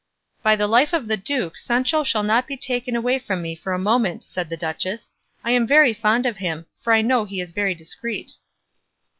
"By the life of the duke, Sancho shall not be taken away from me for a moment," said the duchess; "I am very fond of him, for I know he is very discreet."